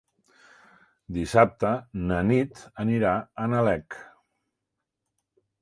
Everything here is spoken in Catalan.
Dissabte na Nit anirà a Nalec.